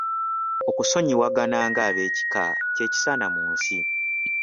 Okusonyiwagana nga abeekika kye kisaana mu nsi.